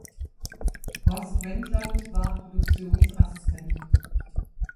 Horst Wendlandt war Produktionsassistent.